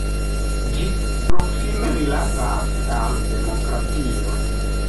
Ĝi proksime rilatas al demokratio.